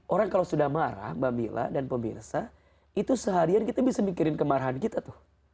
orang kalau sudah marah mbak mila dan pemirsa itu seharian kita bisa mikirin kemarahan kita tuh